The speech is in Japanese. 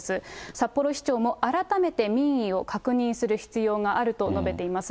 札幌市長も、改めて民意を確認する必要があると述べています。